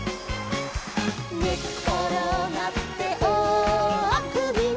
「ねっころがっておおあくびの」